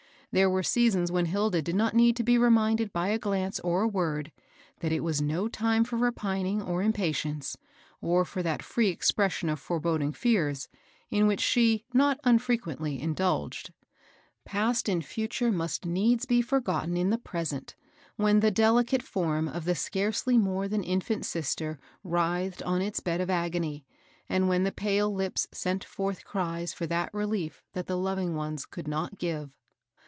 There were seasons when Hilda did not need to be reminded by a glance or a word, that it was no time for repining or impa tience, or for that free expression of foreboding fears, in which she, not unft^uendy, indulged. Past and future must needs be forgotten in the present^ when the delicate form of the scarcely more than infant sister writhed on its bed of agony, and when the pale lips sent forth cries for that reUef that the loving ones could not give.